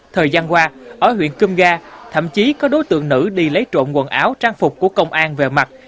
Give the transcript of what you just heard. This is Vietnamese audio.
thời gian qua ở huyện cưng ga thậm chí có đối tượng nữ đi lấy trộm quần áo trang phục của công an về mặt